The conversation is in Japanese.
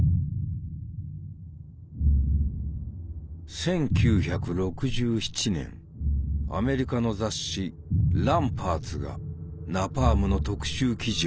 １９６７年アメリカの雑誌「Ｒａｍｐａｒｔｓ」がナパームの特集記事を組んだ。